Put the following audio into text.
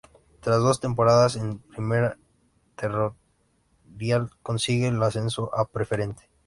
Tras dos temporadas en Primera Territorial consigue el ascenso a Preferente.